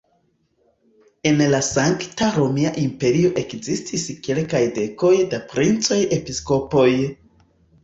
En la Sankta Romia Imperio ekzistis kelkaj dekoj da princoj-episkopoj.